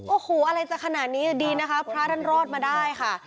โอ้โหอะไรจะขนาดนี้ดีนะคะพระท่านรอดมาได้ค่ะ